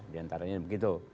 di antaranya begitu